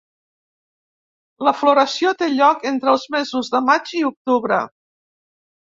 La floració té lloc entre els mesos de maig i octubre.